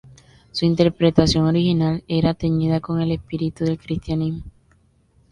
Su interpretación original era teñida con el espíritu del cristianismo.